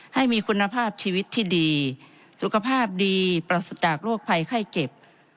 ให้มีคุณภาพชีวิตที่ดีสุขภาพดีปราศจากโรคภัยไข้เจ็บ